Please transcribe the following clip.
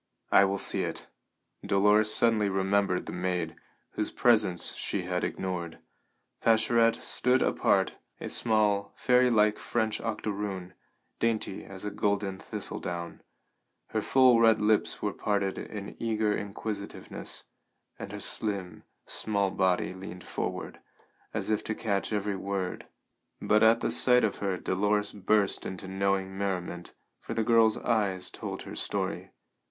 "I will see it." Dolores suddenly remembered the maid, whose presence she had ignored. Pascherette stood apart, a small, fairylike French octoroon, dainty as a golden thistledown; her full red lips were parted in eager inquisitiveness, and her slim, small body leaned forward, as if to catch every word; but at sight of her Dolores burst into knowing merriment, for the girl's eyes told her story.